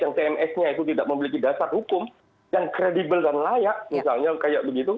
yang tms nya itu tidak memiliki dasar hukum yang kredibel dan layak misalnya kayak begitu